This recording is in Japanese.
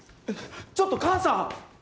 ちょっと母さん！